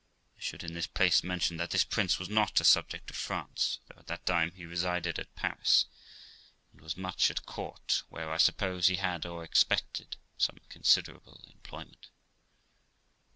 I should in this place mention, that this prince was not a subject of France, though at that time he resided at Paris and was much at court, where, I suppose, he had, or expected, some considerable employment.